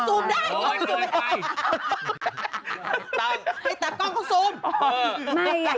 เขาสูมได้